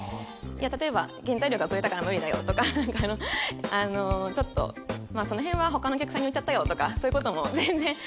例えば原材料が遅れたから無理だよとかちょっとその辺は他のお客さんに売っちゃったよとかそういう事も全然ある世界なんで。